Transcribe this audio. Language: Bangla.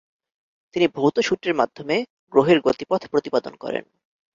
তিনি ভৌত সূত্রের মাধ্যমে গ্রহের গতিপথ প্রতিপাদন করেন।